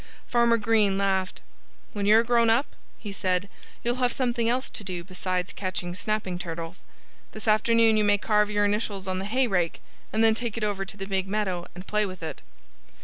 Farmer Green laughed. "When you're grown up," he said, "you'll have something else to do besides catching snapping turtles. This afternoon you may carve your initials on the hay rake and then take it over to the big meadow and play with it."